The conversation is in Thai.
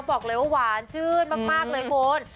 บอกเลยว่าหวานชื่นมากเลยคุณ